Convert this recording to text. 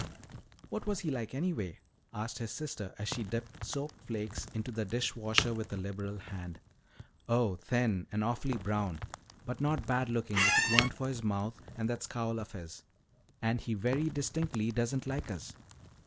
"What was he like anyway?" asked his sister as she dipped soap flakes into the dish water with a liberal hand. "Oh, thin, and awfully brown. But not bad looking if it weren't for his mouth and that scowl of his. And he very distinctly doesn't like us.